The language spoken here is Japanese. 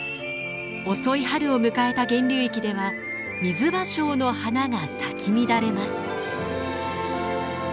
遅い春を迎えた源流域ではミズバショウの花が咲き乱れます。